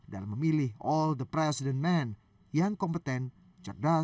dalam memilih all the president men yang kompeten cerdas dan berpengaruh